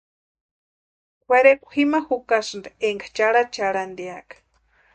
Kwʼerekwa jima jukasïnti énka charhacharhantiaka.